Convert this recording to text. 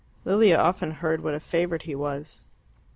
Lilia often heard what a favorite he was.